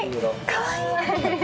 かわいい！